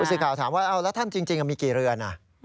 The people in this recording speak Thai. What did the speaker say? สื่อข่าวถามว่าเอาแล้วท่านจริงมีกี่เรือน